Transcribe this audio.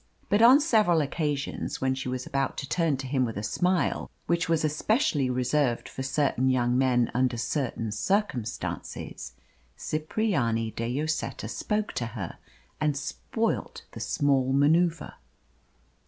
But on several occasions, when she was about to turn to him with a smile which was especially reserved for certain young men under certain circumstances, Cipriani de Lloseta spoke to her and spoilt the small manoeuvre.